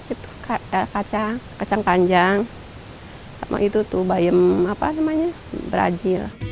itu kacang panjang itu bayam beradil